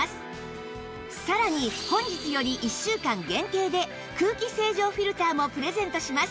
さらに本日より１週間限定で空気清浄フィルターもプレゼントします